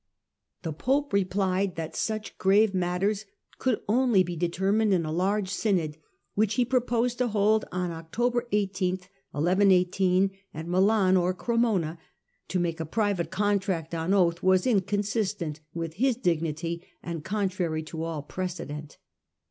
The pope replied that such grave matters could only be determined in a large synod, which he proposed to hold on October 18 at Milan or Cremona. To make a private contract on oath was inconsistent with his dignity and contrary to all precedent.